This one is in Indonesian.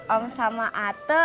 om sama ate mau beli kue